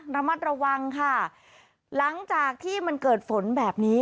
ระมัดระวังค่ะหลังจากที่มันเกิดฝนแบบนี้